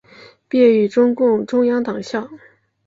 毕业于中共中央党校。